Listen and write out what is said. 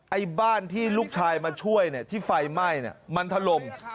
ไอ้บ้านที่ลูกชายมาช่วยที่ไฟไหม้มันถล่ม